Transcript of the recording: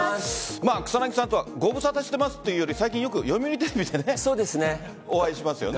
草なぎさんとは御無沙汰してますというより最近よく読売テレビでお会いしますよね。